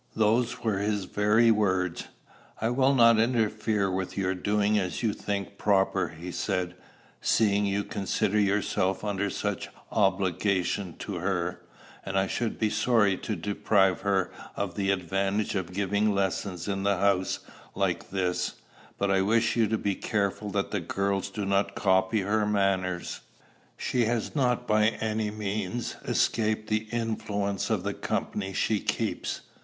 Those were his very words. 'I will not interfere with your doing as you think proper,' he said, 'seeing you consider yourself under such obligation to her; and I should be sorry to deprive her of the advantage of giving lessons in a house like this; but I wish you to be careful that the girls do not copy her manners. She has not by any means escaped the influence of the company she keeps.'